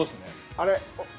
あれ。